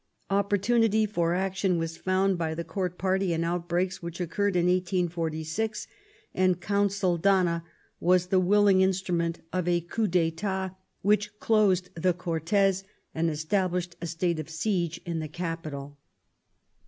Opportunity for action was found by the Gourt party in outbreaks which occurred in 1846, and Gount Saldanha was the willing instrument of a coup (Fitat which closed the Gortes and established a state of siege in the capital.